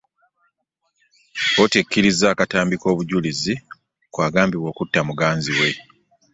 Kkkoti ekirizza akatumbi akatambi mk'obujulizi ku agmbibwa okutta muganzi we.